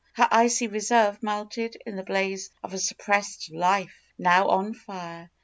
Her icy reserve melted in the blaze of a sup pressed life, now on fire.